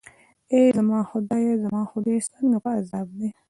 ای زما خدایه، زما خدای، څنګه په عذاب دی.